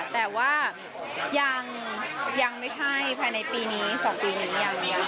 แต่ว่ายังไม่ใช่ภายในปีนี้สองปีนี้ยัง